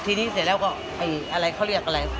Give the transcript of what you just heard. ที่นี่เสร็จแล้วก็เขาเรียกอะไร